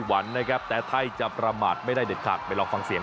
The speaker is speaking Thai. วันนะครับแต่ไทยจะประมาทไม่ได้เด็ดขาดไปลองฟังเสียง